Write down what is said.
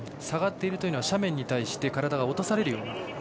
下がっているというのは斜面に対して体が落とされる。